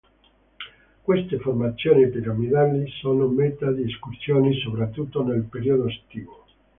Queste formazioni piramidali sono meta di escursioni, soprattutto nel periodo estivo.